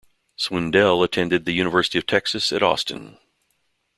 Swindell attended the University of Texas at Austin.